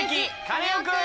カネオくん」。